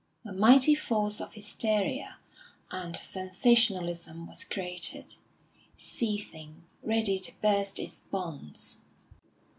A mighty force of hysteria and sensationalism was created, seething, ready to burst its bonds